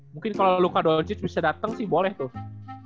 mungkin kalau luka dolcic bisa dateng sih boleh tuh